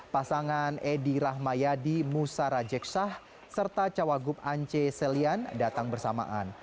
pasangan edi rahmayadi musara jeksah serta cawagup ance selian datang bersamaan